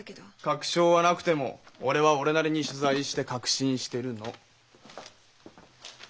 確証はなくても俺は俺なりに取材して確信してるの。